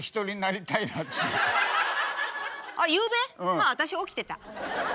ああ私起きてた。